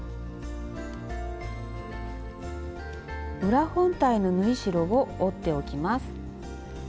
裏本体の縫い代を折っておきます。